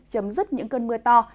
chấm dứt những cơn mưa to